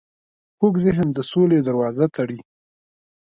کوږ ذهن د سولې دروازه تړي